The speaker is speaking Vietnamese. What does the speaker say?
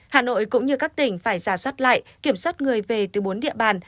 hà nội cũng như các tỉnh phải ra soát lại kiểm soát người về từ bốn địa bàn